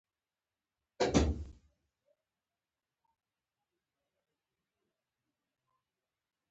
تودوخه د افغانستان د اجتماعي جوړښت یوه برخه ده.